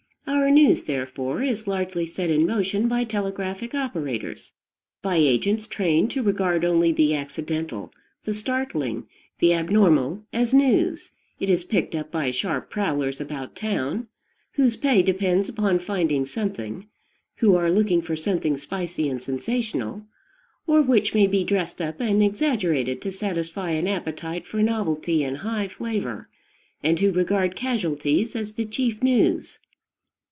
Our news, therefore, is largely set in motion by telegraphic operators, by agents trained to regard only the accidental, the startling, the abnormal, as news; it is picked up by sharp prowlers about town, whose pay depends upon finding something, who are looking for something spicy and sensational, or which may be dressed up and exaggerated to satisfy an appetite for novelty and high flavor, and who regard casualties as the chief news.